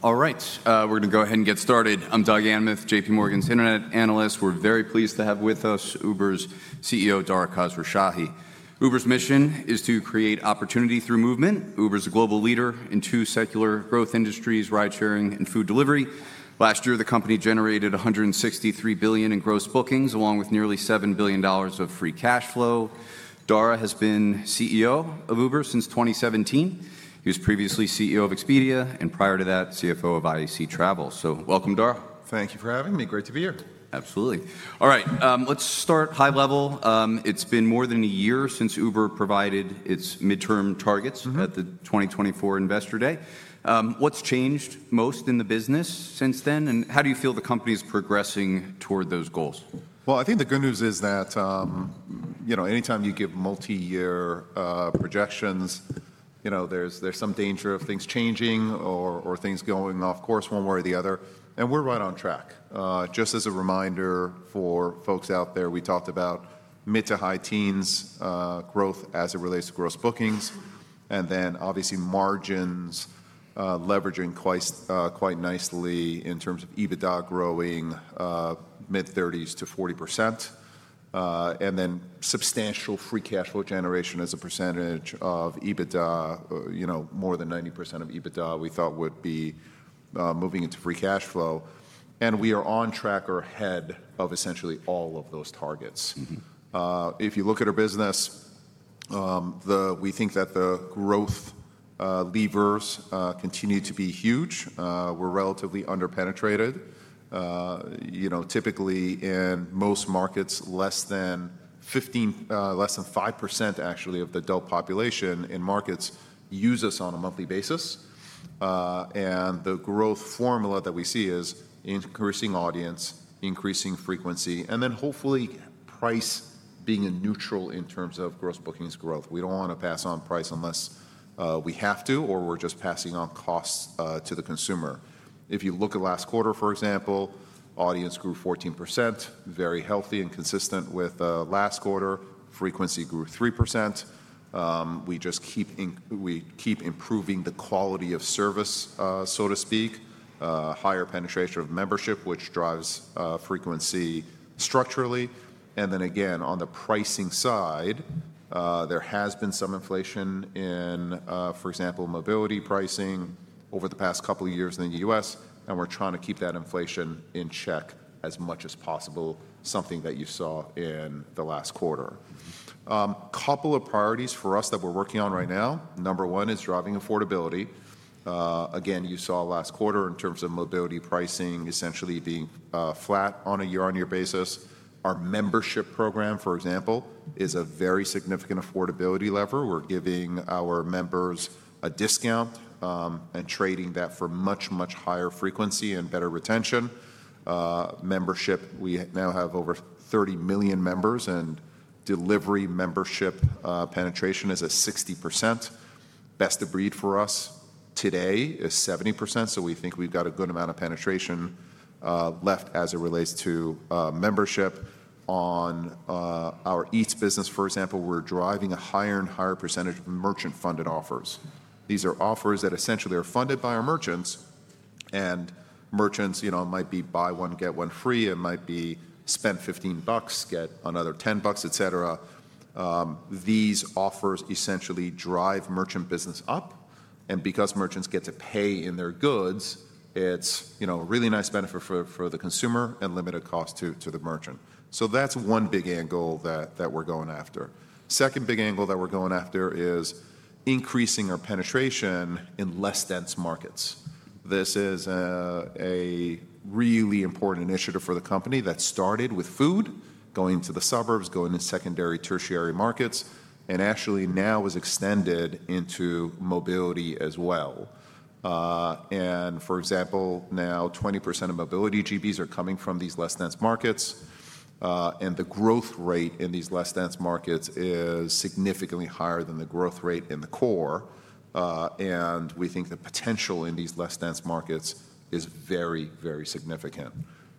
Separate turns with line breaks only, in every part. All right, we're going to go ahead and get started. I'm Doug Anmuth, JPMorgan's Internet Analyst. We're very pleased to have with us Uber's CEO, Dara Khosrowshahi. Uber's mission is to create opportunity through movement. Uber is a global leader in two secular growth industries: ridesharing and food delivery. Last year, the company generated $163 billion in gross bookings, along with nearly $7 billion of free cash flow. Dara has been CEO of Uber since 2017. He was previously CEO of Expedia and, prior to that, CFO of IAC Travels. So welcome, Dara.
Thank you for having me. Great to be here.
Absolutely. All right, let's start high level. It's been more than a year since Uber provided its midterm targets at the 2024 Investor Day. What's changed most in the business since then, and how do you feel the company is progressing toward those goals?
I think the good news is that, you know, anytime you give multi-year projections, you know, there's some danger of things changing or things going off course one way or the other. We're right on track. Just as a reminder for folks out there, we talked about mid to high teens growth as it relates to gross bookings. Obviously, margins leveraging quite nicely in terms of EBITDA growing mid-30%-40%. Substantial free cash flow generation as a percentage of EBITDA, you know, more than 90% of EBITDA we thought would be moving into free cash flow. We are on track or ahead of essentially all of those targets. If you look at our business, we think that the growth levers continue to be huge. We're relatively underpenetrated. You know, typically in most markets, less than 5% actually of the adult population in markets use us on a monthly basis. The growth formula that we see is increasing audience, increasing frequency, and then hopefully price being neutral in terms of gross bookings growth. We do not want to pass on price unless we have to, or we are just passing on costs to the consumer. If you look at last quarter, for example, audience grew 14%, very healthy and consistent with last quarter. Frequency grew 3%. We just keep improving the quality of service, so to speak. Higher penetration of membership, which drives frequency structurally. On the pricing side, there has been some inflation in, for example, mobility pricing over the past couple of years in the U.S. We're trying to keep that inflation in check as much as possible, something that you saw in the last quarter. A couple of priorities for us that we're working on right now. Number one is driving affordability. Again, you saw last quarter in terms of mobility pricing essentially being flat on a year-on-year basis. Our membership program, for example, is a very significant affordability lever. We're giving our members a discount and trading that for much, much higher frequency and better retention. Membership, we now have over 30 million members, and delivery membership penetration is at 60%. Best of breed for us today is 70%. We think we've got a good amount of penetration left as it relates to membership. On our Eats business, for example, we're driving a higher and higher percentage of merchant-funded offers. These are offers that essentially are funded by our merchants. Merchants, you know, might be buy one, get one free. It might be spend $15, get another $10, et cetera. These offers essentially drive merchant business up. Because merchants get to pay in their goods, it's, you know, a really nice benefit for the consumer and limited cost to the merchant. That is one big angle that we're going after. The second big angle that we're going after is increasing our penetration in less dense markets. This is a really important initiative for the company that started with food, going to the suburbs, going to secondary and tertiary markets, and actually now is extended into mobility as well. For example, now 20% of mobility GBs are coming from these less dense markets. The growth rate in these less dense markets is significantly higher than the growth rate in the core. We think the potential in these less dense markets is very, very significant.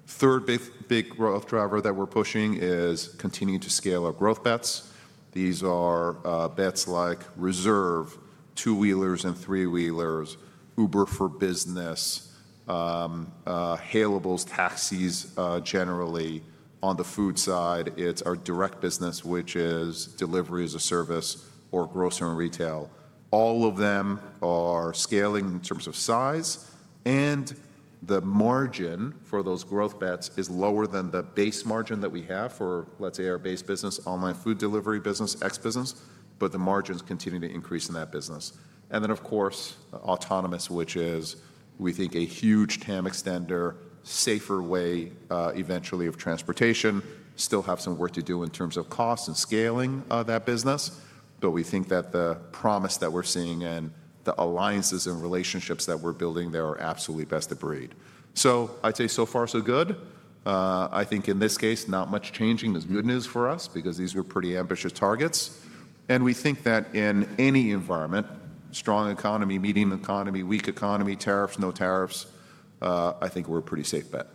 The third big growth driver that we're pushing is continuing to scale our growth bets. These are bets like Reserve, Two Wheelers and Three Wheelers, Uber for Business, Hailables, taxis generally. On the food side, it's our direct business, which is Delivery as a Service or grocery and retail. All of them are scaling in terms of size. The margin for those growth bets is lower than the base margin that we have for, let's say, our base business, online food delivery business, X business. The margins continue to increase in that business. Of course, autonomous, which is, we think, a huge time extender, safer way eventually of transportation. Still have some work to do in terms of costs and scaling that business. We think that the promise that we're seeing and the alliances and relationships that we're building, they are absolutely best of breed. I'd say so far, so good. I think in this case, not much changing is good news for us because these were pretty ambitious targets. We think that in any environment, strong economy, medium economy, weak economy, tariffs, no tariffs, I think we're a pretty safe bet.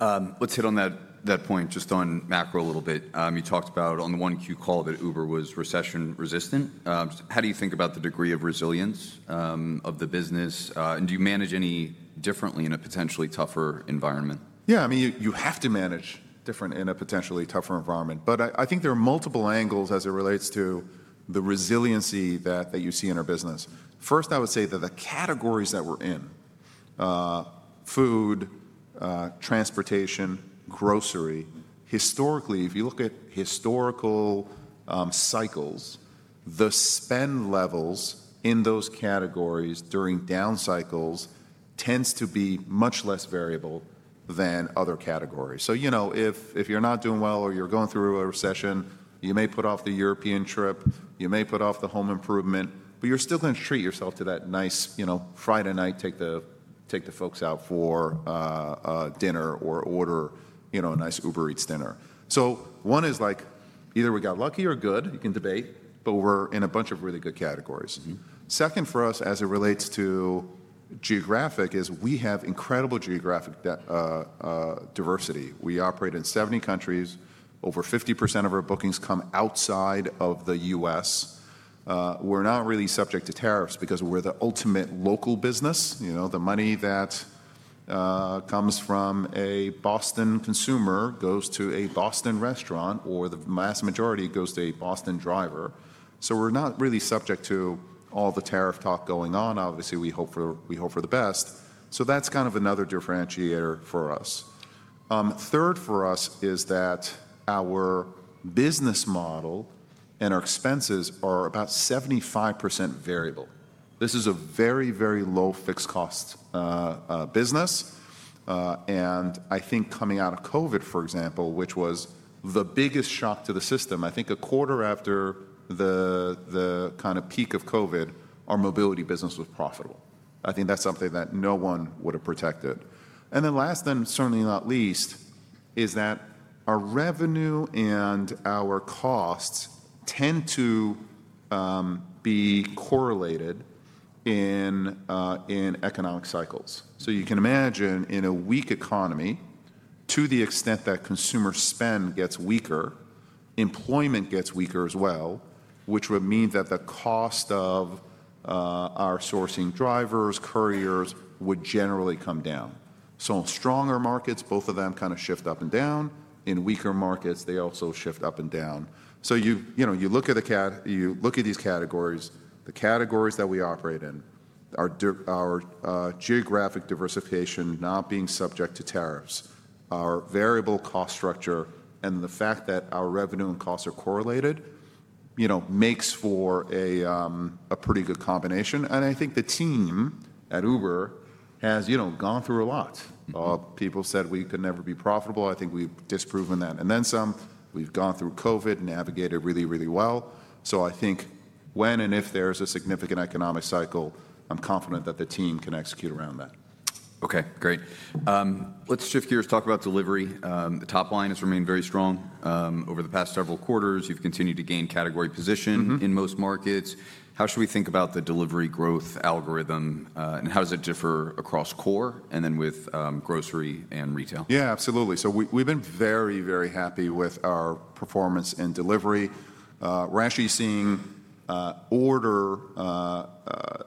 Let's hit on that point just on macro a little bit. You talked about on the one Q call that Uber was recession resistant. How do you think about the degree of resilience of the business? And do you manage any differently in a potentially tougher environment?
Yeah, I mean, you have to manage different in a potentially tougher environment. I think there are multiple angles as it relates to the resiliency that you see in our business. First, I would say that the categories that we're in, food, transportation, grocery, historically, if you look at historical cycles, the spend levels in those categories during down cycles tends to be much less variable than other categories. You know, if you're not doing well or you're going through a recession, you may put off the European trip, you may put off the home improvement, but you're still going to treat yourself to that nice, you know, Friday night, take the folks out for dinner or order, you know, a nice Uber Eats dinner. One is like either we got lucky or good, you can debate, but we're in a bunch of really good categories. Second for us as it relates to geographic is we have incredible geographic diversity. We operate in 70 countries. Over 50% of our bookings come outside of the U.S. We're not really subject to tariffs because we're the ultimate local business. You know, the money that comes from a Boston consumer goes to a Boston restaurant, or the vast majority goes to a Boston driver. We're not really subject to all the tariff talk going on. Obviously, we hope for the best. That's kind of another differentiator for us. Third for us is that our business model and our expenses are about 75% variable. This is a very, very low fixed cost business. I think coming out of COVID, for example, which was the biggest shock to the system, I think a quarter after the kind of peak of COVID, our mobility business was profitable. I think that's something that no one would have predicted. Last, and certainly not least, is that our revenue and our costs tend to be correlated in economic cycles. You can imagine in a weak economy, to the extent that consumer spend gets weaker, employment gets weaker as well, which would mean that the cost of our sourcing drivers, couriers would generally come down. In stronger markets, both of them kind of shift up and down. In weaker markets, they also shift up and down. You look at these categories, the categories that we operate in, our geographic diversification not being subject to tariffs, our variable cost structure, and the fact that our revenue and costs are correlated, makes for a pretty good combination. I think the team at Uber has, you know, gone through a lot. People said we could never be profitable. I think we've disproven that. And then some, we've gone through COVID, navigated really, really well. I think when and if there's a significant economic cycle, I'm confident that the team can execute around that.
Okay, great. Let's shift gears, talk about delivery. The top line has remained very strong over the past several quarters. You've continued to gain category position in most markets. How should we think about the delivery growth algorithm, and how does it differ across core and then with grocery and retail?
Yeah, absolutely. We've been very, very happy with our performance in delivery. We're actually seeing order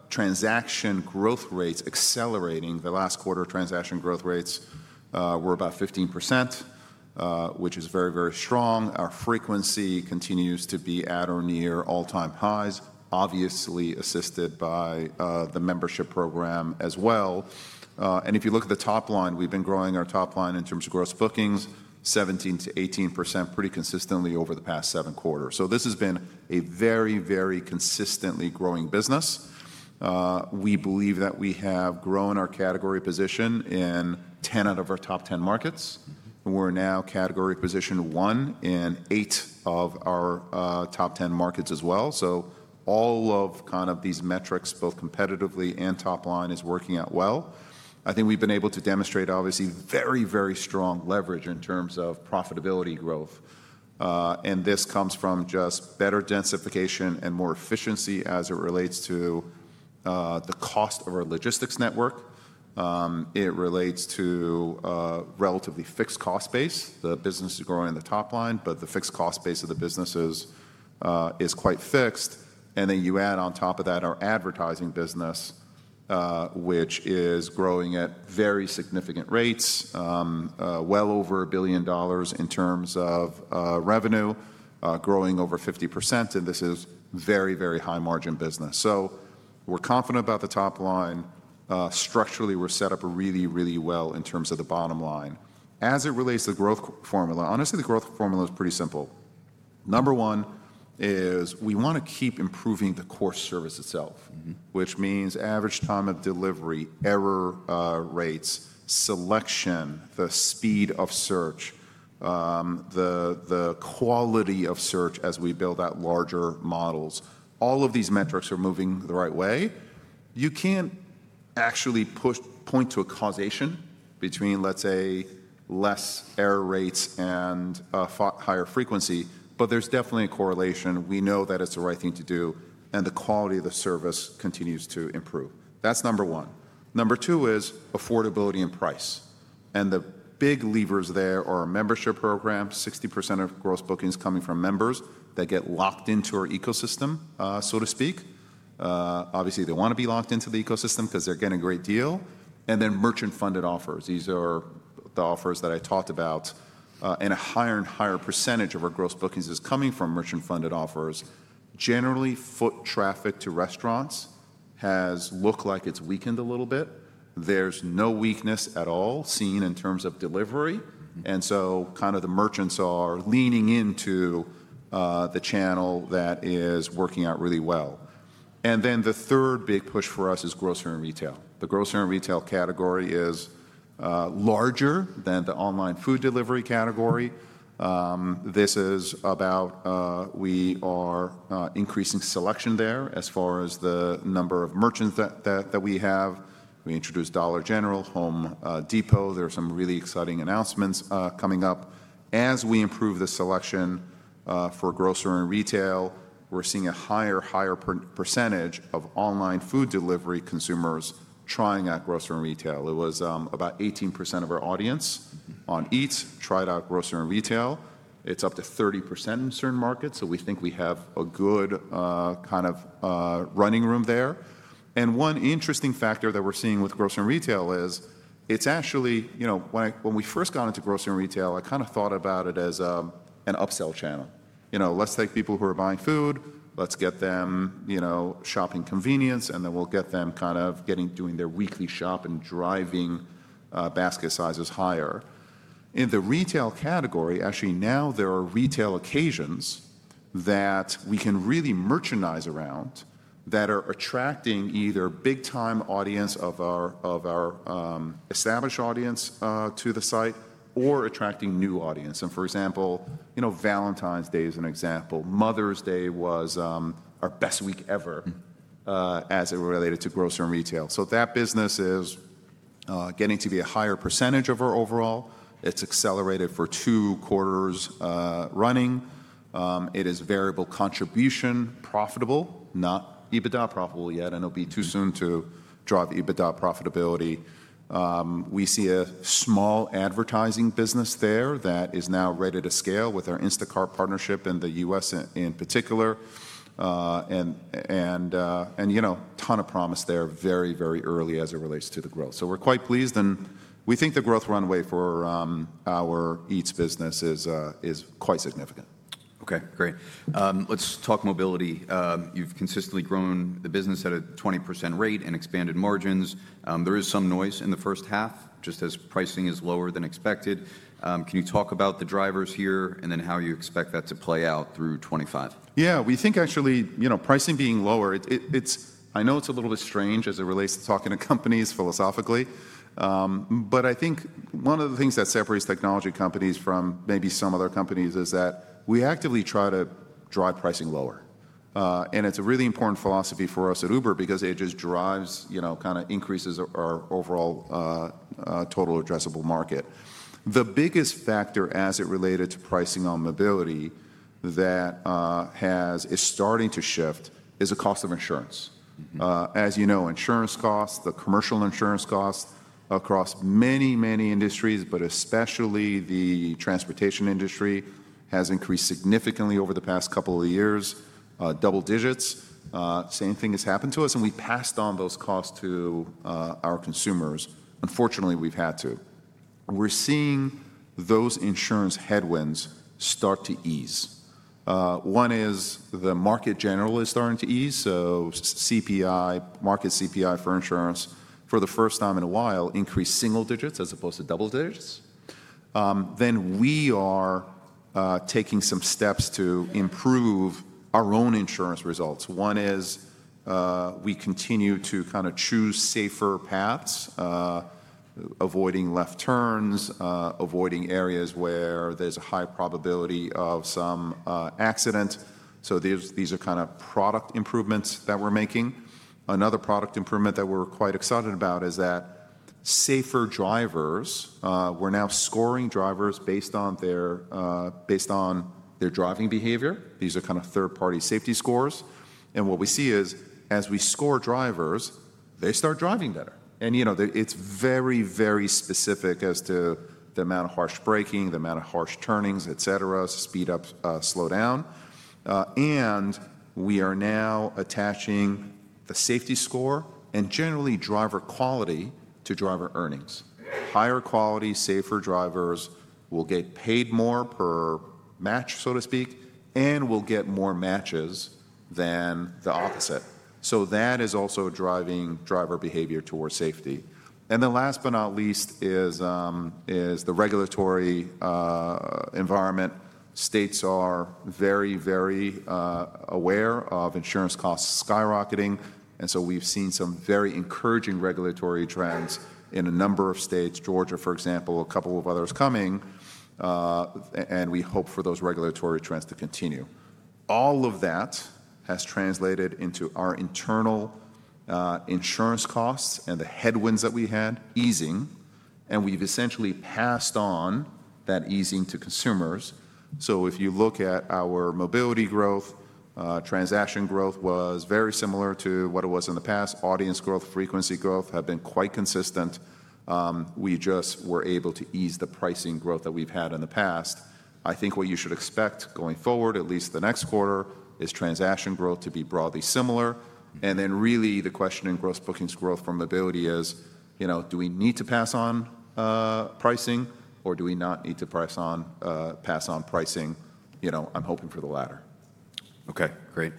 transaction growth rates accelerating. The last quarter transaction growth rates were about 15%, which is very, very strong. Our frequency continues to be at or near all-time highs, obviously assisted by the membership program as well. If you look at the top line, we've been growing our top line in terms of gross bookings, 17%-18% pretty consistently over the past seven quarters. This has been a very, very consistently growing business. We believe that we have grown our category position in 10 out of our top 10 markets. We're now category position one in eight of our top 10 markets as well. All of these metrics, both competitively and top line, are working out well. I think we've been able to demonstrate, obviously, very, very strong leverage in terms of profitability growth. This comes from just better densification and more efficiency as it relates to the cost of our logistics network. It relates to a relatively fixed cost base. The business is growing in the top line, but the fixed cost base of the business is quite fixed. You add on top of that our advertising business, which is growing at very significant rates, well over $1 billion in terms of revenue, growing over 50%. This is a very, very high margin business. We're confident about the top line. Structurally, we're set up really, really well in terms of the bottom line. As it relates to the growth formula, honestly, the growth formula is pretty simple. Number one is we want to keep improving the core service itself, which means average time of delivery, error rates, selection, the speed of search, the quality of search as we build out larger models. All of these metrics are moving the right way. You can't actually point to a causation between, let's say, less error rates and higher frequency, but there's definitely a correlation. We know that it's the right thing to do, and the quality of the service continues to improve. That's number one. Number two is affordability and price. The big levers there are membership programs, 60% of gross bookings coming from members that get locked into our ecosystem, so to speak. Obviously, they want to be locked into the ecosystem because they're getting a great deal. Then merchant-funded offers. These are the offers that I talked about. A higher and higher percentage of our gross bookings is coming from merchant-funded offers. Generally, foot traffic to restaurants has looked like it's weakened a little bit. There's no weakness at all seen in terms of delivery. Merchants are leaning into the channel that is working out really well. The third big push for us is grocery and retail. The grocery and retail category is larger than the online food delivery category. This is about we are increasing selection there as far as the number of merchants that we have. We introduced Dollar General, Home Depot. There are some really exciting announcements coming up. As we improve the selection for grocery and retail, we're seeing a higher, higher percentage of online food delivery consumers trying out grocery and retail. It was about 18% of our audience on Eats tried out grocery and retail. It's up to 30% in certain markets. We think we have a good kind of running room there. One interesting factor that we're seeing with grocery and retail is it's actually, you know, when we first got into grocery and retail, I kind of thought about it as an upsell channel. You know, let's take people who are buying food. Let's get them, you know, shopping convenience, and then we'll get them kind of doing their weekly shop and driving basket sizes higher. In the retail category, actually now there are retail occasions that we can really merchandise around that are attracting either big-time audience of our established audience to the site or attracting new audience. For example, you know, Valentine's Day is an example. Mother's Day was our best week ever as it related to grocery and retail. That business is getting to be a higher percentage of our overall. It's accelerated for two quarters running. It is variable contribution, profitable, not EBITDA profitable yet. I know it'll be too soon to drive EBITDA profitability. We see a small advertising business there that is now ready to scale with our Instacart partnership in the U.S. in particular. You know, a ton of promise there very, very early as it relates to the growth. We're quite pleased. We think the growth runway for our Eats business is quite significant.
Okay, great. Let's talk mobility. You've consistently grown the business at a 20% rate and expanded margins. There is some noise in the first half, just as pricing is lower than expected. Can you talk about the drivers here and then how you expect that to play out through 2025?
Yeah, we think actually, you know, pricing being lower, it's, I know it's a little bit strange as it relates to talking to companies philosophically, but I think one of the things that separates technology companies from maybe some other companies is that we actively try to drive pricing lower. It's a really important philosophy for us at Uber because it just drives, you know, kind of increases our overall total addressable market. The biggest factor as it related to pricing on mobility that has is starting to shift is the cost of insurance. As you know, insurance costs, the commercial insurance costs across many, many industries, but especially the transportation industry has increased significantly over the past couple of years, double digits. Same thing has happened to us, and we passed on those costs to our consumers. Unfortunately, we've had to. We're seeing those insurance headwinds start to ease. One is the market general is starting to ease. CPI, market CPI for insurance for the first time in a while increased single digits as opposed to double digits. We are taking some steps to improve our own insurance results. One is we continue to kind of choose safer paths, avoiding left turns, avoiding areas where there's a high probability of some accident. These are kind of product improvements that we're making. Another product improvement that we're quite excited about is that safer drivers. We're now scoring drivers based on their driving behavior. These are kind of third-party safety scores. What we see is as we score drivers, they start driving better. You know, it's very, very specific as to the amount of harsh braking, the amount of harsh turnings, et cetera, speed up, slow down. We are now attaching the safety score and generally driver quality to driver earnings. Higher quality, safer drivers will get paid more per match, so to speak, and will get more matches than the opposite. That is also driving driver behavior towards safety. Last but not least is the regulatory environment. States are very, very aware of insurance costs skyrocketing. We have seen some very encouraging regulatory trends in a number of states, Georgia, for example, a couple of others coming. We hope for those regulatory trends to continue. All of that has translated into our internal insurance costs and the headwinds that we had easing. We have essentially passed on that easing to consumers. If you look at our mobility growth, transaction growth was very similar to what it was in the past. Audience growth, frequency growth have been quite consistent. We just were able to ease the pricing growth that we've had in the past. I think what you should expect going forward, at least the next quarter, is transaction growth to be broadly similar. Really the question in gross bookings growth for mobility is, you know, do we need to pass on pricing or do we not need to pass on pricing? You know, I'm hoping for the latter.
Okay, great.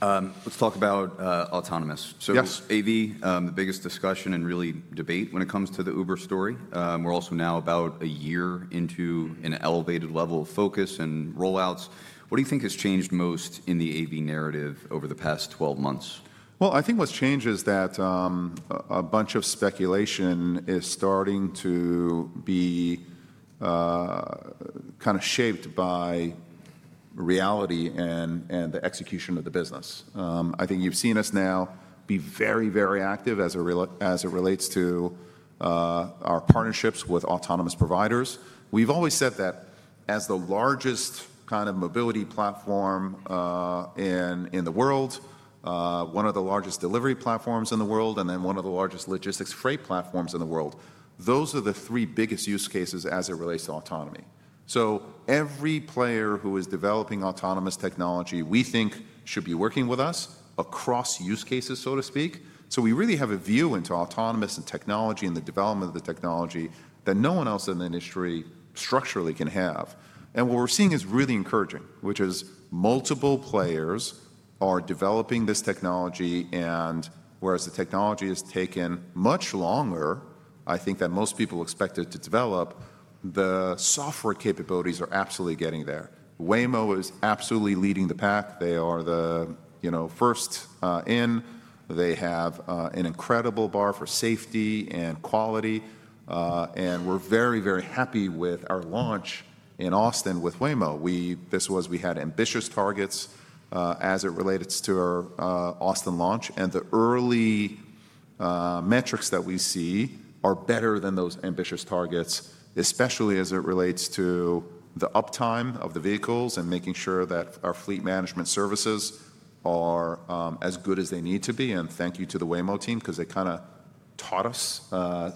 Let's talk about autonomous. AV, the biggest discussion and really debate when it comes to the Uber story. We're also now about a year into an elevated level of focus and rollouts. What do you think has changed most in the AV narrative over the past 12 months?
I think what's changed is that a bunch of speculation is starting to be kind of shaped by reality and the execution of the business. I think you've seen us now be very, very active as it relates to our partnerships with autonomous providers. We've always said that as the largest kind of mobility platform in the world, one of the largest delivery platforms in the world, and then one of the largest logistics freight platforms in the world, those are the three biggest use cases as it relates to autonomy. Every player who is developing autonomous technology, we think should be working with us across use cases, so to speak. We really have a view into autonomous and technology and the development of the technology that no one else in the industry structurally can have. What we're seeing is really encouraging, which is multiple players are developing this technology. Whereas the technology has taken much longer, I think that most people expect it to develop, the software capabilities are absolutely getting there. Waymo is absolutely leading the pack. They are the, you know, first in. They have an incredible bar for safety and quality. We're very, very happy with our launch in Austin with Waymo. This was, we had ambitious targets as it relates to our Austin launch. The early metrics that we see are better than those ambitious targets, especially as it relates to the uptime of the vehicles and making sure that our fleet management services are as good as they need to be. Thank you to the Waymo team because they kind of taught us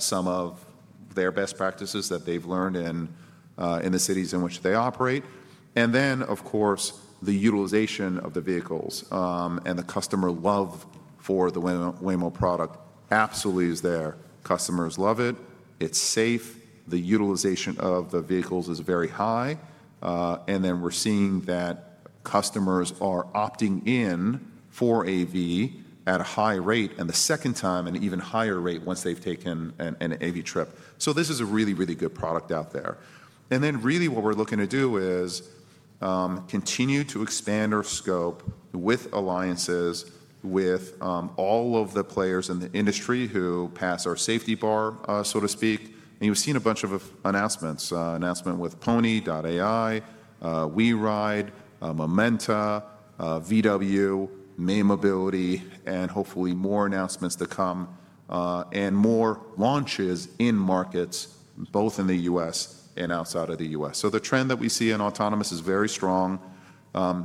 some of their best practices that they've learned in the cities in which they operate. Of course, the utilization of the vehicles and the customer love for the Waymo product absolutely is there. Customers love it. It's safe. The utilization of the vehicles is very high. We are seeing that customers are opting in for AV at a high rate and the second time at an even higher rate once they've taken an AV trip. This is a really, really good product out there. Really what we're looking to do is continue to expand our scope with alliances with all of the players in the industry who pass our safety bar, so to speak. You've seen a bunch of announcements, announcement with Pony.ai, WeRide, Momenta, Volkswagen, May Mobility, and hopefully more announcements to come and more launches in markets, both in the U.S. and outside of the U.S. The trend that we see in autonomous is very strong.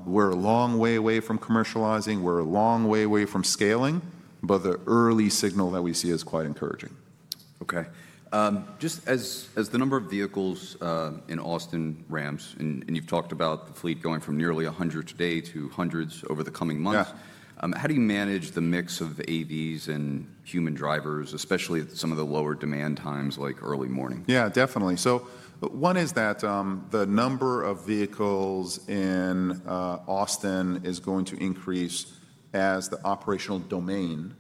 We're a long way away from commercializing. We're a long way away from scaling, but the early signal that we see is quite encouraging.
Okay. Just as the number of vehicles in Austin ramps, and you've talked about the fleet going from nearly 100 today to hundreds over the coming months, how do you manage the mix of AVs and human drivers, especially at some of the lower demand times like early morning?
Yeah, definitely. One is that the number of vehicles in Austin is going to increase as the operational domain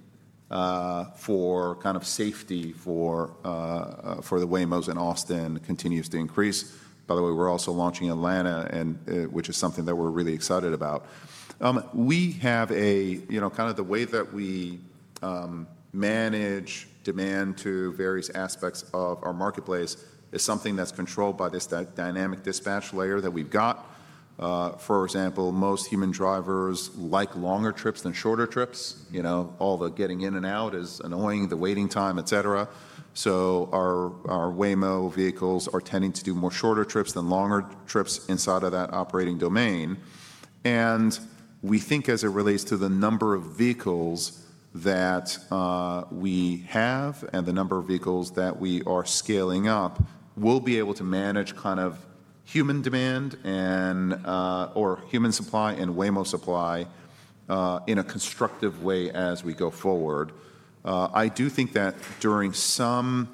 for kind of safety for the Waymos in Austin continues to increase. By the way, we're also launching Atlanta, which is something that we're really excited about. We have a, you know, kind of the way that we manage demand to various aspects of our marketplace is something that's controlled by this dynamic dispatch layer that we've got. For example, most human drivers like longer trips than shorter trips. You know, all the getting in and out is annoying, the waiting time, et cetera. Our Waymo vehicles are tending to do more shorter trips than longer trips inside of that operating domain. We think as it relates to the number of vehicles that we have and the number of vehicles that we are scaling up, we'll be able to manage kind of human demand and/or human supply and Waymo supply in a constructive way as we go forward. I do think that during some,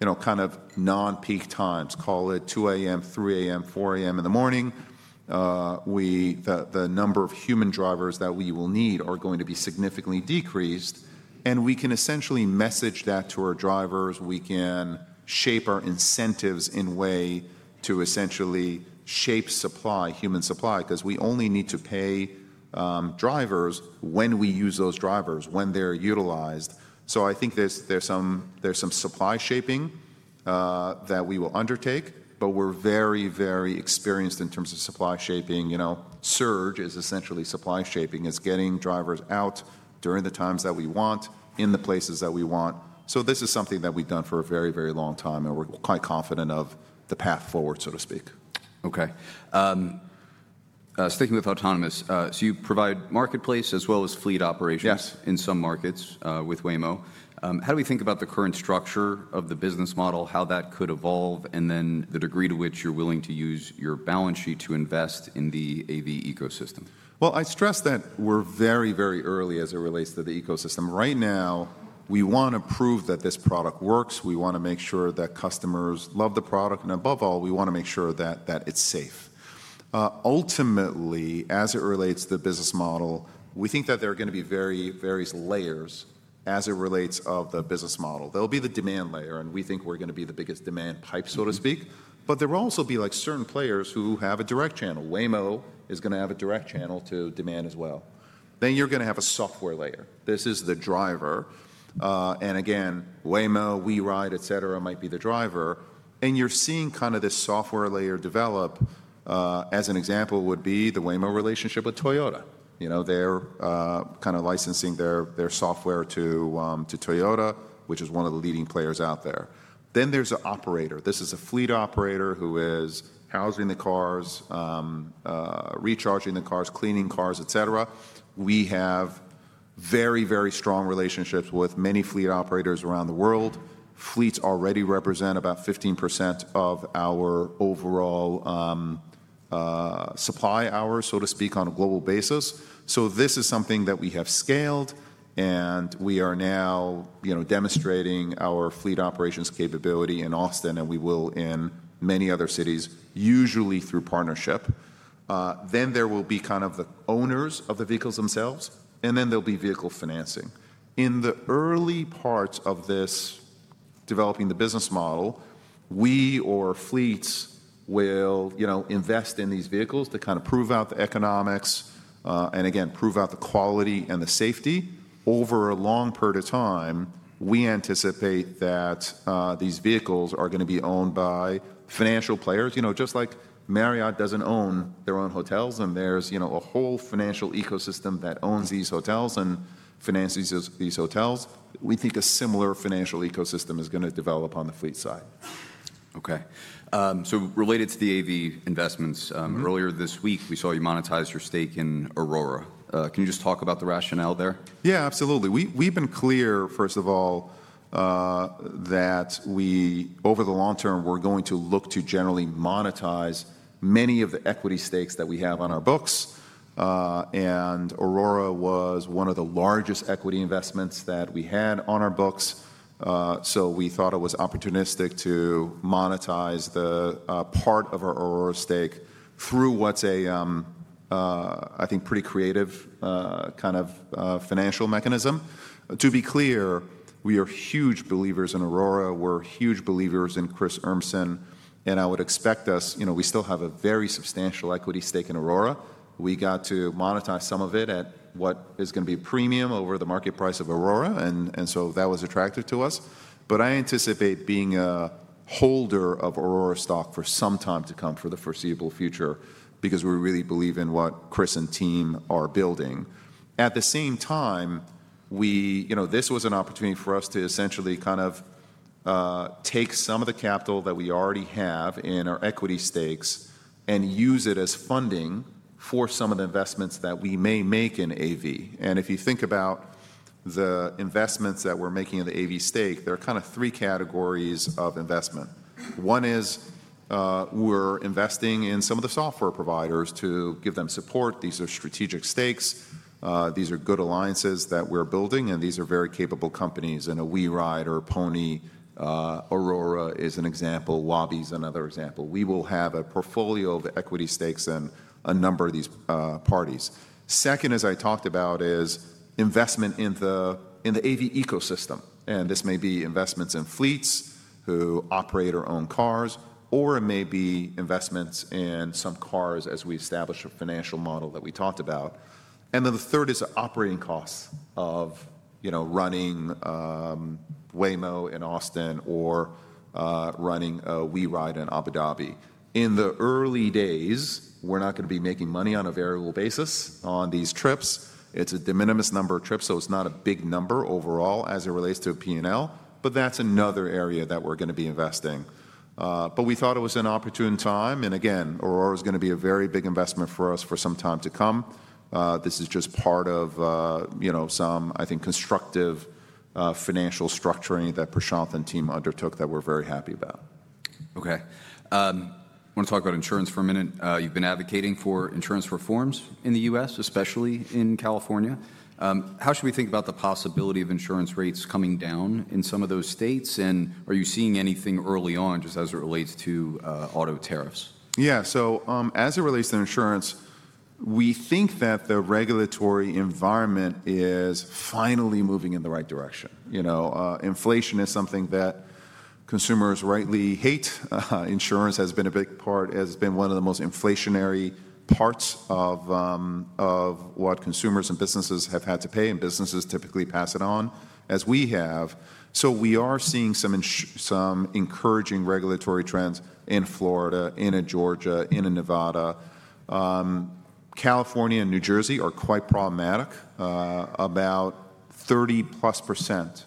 you know, kind of non-peak times, call it 2:00 A.M., 3:00 A.M., 4:00 A.M. in the morning, the number of human drivers that we will need are going to be significantly decreased. We can essentially message that to our drivers. We can shape our incentives in a way to essentially shape supply, human supply, because we only need to pay drivers when we use those drivers, when they're utilized. I think there's some supply shaping that we will undertake, but we're very, very experienced in terms of supply shaping. You know, surge is essentially supply shaping. It's getting drivers out during the times that we want, in the places that we want. This is something that we've done for a very, very long time, and we're quite confident of the path forward, so to speak.
Okay. Sticking with autonomous, you provide marketplace as well as fleet operations in some markets with Waymo. How do we think about the current structure of the business model, how that could evolve, and then the degree to which you're willing to use your balance sheet to invest in the AV ecosystem?
I stress that we're very, very early as it relates to the ecosystem. Right now, we want to prove that this product works. We want to make sure that customers love the product. Above all, we want to make sure that it's safe. Ultimately, as it relates to the business model, we think that there are going to be very, very layers as it relates to the business model. There'll be the demand layer, and we think we're going to be the biggest demand pipe, so to speak. There will also be like certain players who have a direct channel. Waymo is going to have a direct channel to demand as well. You're going to have a software layer. This is the driver. Again, Waymo, WeRide, et cetera, might be the driver. You're seeing kind of this software layer develop. As an example would be the Waymo relationship with Toyota. You know, they're kind of licensing their software to Toyota, which is one of the leading players out there. Then there's an operator. This is a fleet operator who is housing the cars, recharging the cars, cleaning cars, et cetera. We have very, very strong relationships with many fleet operators around the world. Fleets already represent about 15% of our overall supply hours, so to speak, on a global basis. This is something that we have scaled, and we are now, you know, demonstrating our fleet operations capability in Austin, and we will in many other cities, usually through partnership. There will be kind of the owners of the vehicles themselves, and then there'll be vehicle financing. In the early parts of this developing the business model, we or fleets will, you know, invest in these vehicles to kind of prove out the economics and, again, prove out the quality and the safety. Over a long period of time, we anticipate that these vehicles are going to be owned by financial players. You know, just like Marriott doesn't own their own hotels, and there's, you know, a whole financial ecosystem that owns these hotels and finances these hotels. We think a similar financial ecosystem is going to develop on the fleet side.
Okay. Related to the AV investments, earlier this week, we saw you monetize your stake in Aurora. Can you just talk about the rationale there?
Yeah, absolutely. We've been clear, first of all, that we, over the long term, we're going to look to generally monetize many of the equity stakes that we have on our books. Aurora was one of the largest equity investments that we had on our books. We thought it was opportunistic to monetize the part of our Aurora stake through what's a, I think, pretty creative kind of financial mechanism. To be clear, we are huge believers in Aurora. We're huge believers in Chris Urmson. I would expect us, you know, we still have a very substantial equity stake in Aurora. We got to monetize some of it at what is going to be premium over the market price of Aurora. That was attractive to us. I anticipate being a holder of Aurora stock for some time to come for the foreseeable future because we really believe in what Chris and team are building. At the same time, you know, this was an opportunity for us to essentially kind of take some of the capital that we already have in our equity stakes and use it as funding for some of the investments that we may make in AV. If you think about the investments that we're making in the AV stake, there are kind of three categories of investment. One is we're investing in some of the software providers to give them support. These are strategic stakes. These are good alliances that we're building, and these are very capable companies. A WeRide or Pony or Aurora is an example. Waabi is another example. We will have a portfolio of equity stakes and a number of these parties. Second, as I talked about, is investment in the AV ecosystem. This may be investments in fleets who operate or own cars, or it may be investments in some cars as we establish a financial model that we talked about. The third is operating costs of, you know, running Waymo in Austin or running a WeRide in Abu Dhabi. In the early days, we're not going to be making money on a variable basis on these trips. It's a de minimis number of trips, so it's not a big number overall as it relates to P&L, but that's another area that we're going to be investing. We thought it was an opportune time. Again, Aurora is going to be a very big investment for us for some time to come. This is just part of, you know, some, I think, constructive financial structuring that Prashanth and team undertook that we're very happy about.
Okay. I want to talk about insurance for a minute. You've been advocating for insurance reforms in the U.S., especially in California. How should we think about the possibility of insurance rates coming down in some of those states? Are you seeing anything early on just as it relates to auto tariffs?
Yeah. As it relates to insurance, we think that the regulatory environment is finally moving in the right direction. You know, inflation is something that consumers rightly hate. Insurance has been a big part, has been one of the most inflationary parts of what consumers and businesses have had to pay. Businesses typically pass it on, as we have. We are seeing some encouraging regulatory trends in Florida, Georgia, and Nevada. California and New Jersey are quite problematic. About 30%+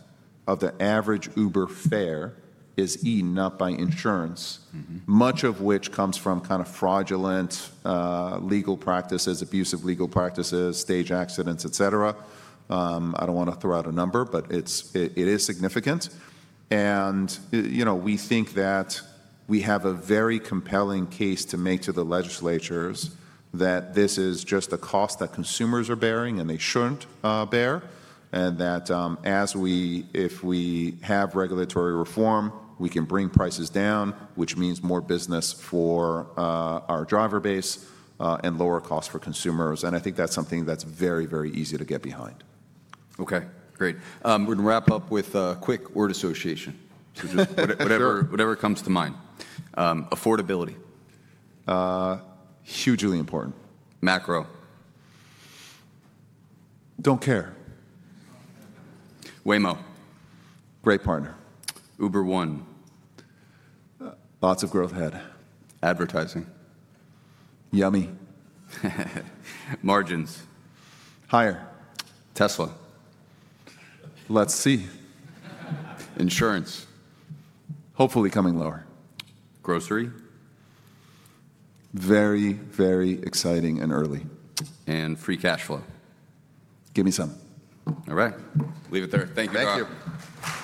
of the average Uber fare is eaten up by insurance, much of which comes from kind of fraudulent legal practices, abusive legal practices, staged accidents, et cetera. I do not want to throw out a number, but it is significant. You know, we think that we have a very compelling case to make to the legislatures that this is just a cost that consumers are bearing and they shouldn't bear, and that if we have regulatory reform, we can bring prices down, which means more business for our driver base and lower costs for consumers. I think that's something that's very, very easy to get behind.
Okay. Great. We're going to wrap up with a quick word association. Just whatever comes to mind. Affordability.
Hugely important.
Macro.
Don't care.
Waymo.
Great partner.
Uber One.
Lots of growth ahead.
Advertising.
Yummy.
Margins.
Higher.
Tesla.
Let's see.
Insurance.
Hopefully coming lower.
Grocery.
Very, very exciting and early.
Free cash flow.
Give me some.
All right. Leave it there. Thank you, Dara.
Thank you.